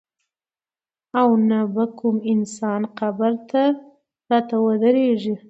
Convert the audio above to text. او نه به کوم انسان قبر ته راته ودرېږي.